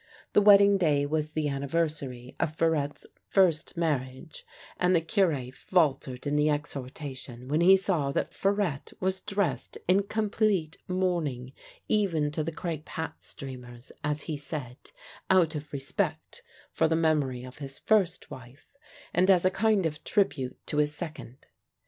The wedding day was the an niversary of Farctte's first marriage, and the Cure fahered in the exhortation when he saw that Farette was dressed in complete mourning, even to the crape hat streamers, as he said, out of respect for the memory of his first wife, and as a kind of tribute to his second.